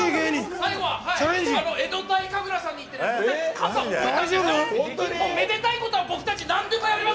最後は江戸太神楽さんに行って傘、覚えたんです。